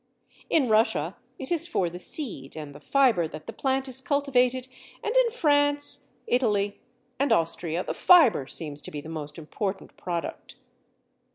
In Russia it is for the seed and the fibre that the plant is cultivated, and in France, Italy, and Austria the fibre seems to be the most important product.